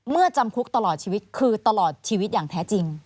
จำคุกตลอดชีวิตคือตลอดชีวิตอย่างแท้จริง